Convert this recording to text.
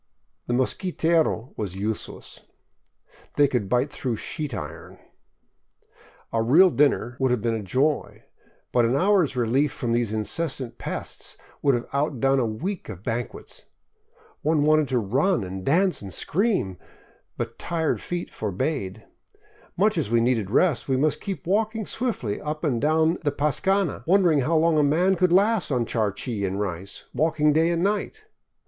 The mosquitero was useless. They could bite through sheet iron. A real dinner would have been a joy, but an hour's relief from these incessant pests would have outdone a week of banquets. One wanted to run and dance and scream, but tired feet forbade. Much as we needed rest, we must keep walking swiftly up and down the pascana, wondering how long a man would last on charqui and rice, walking day and night.